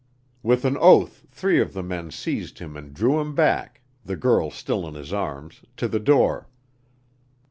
With an oath three of the men seized him and drew him back, the girl still in his arms, to the door.